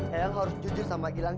helm harus jujur sama gilang